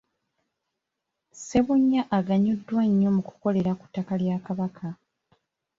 Ssebunnya aganyuddwa nnyo mu kukolera ku ttaka lya Kabaka .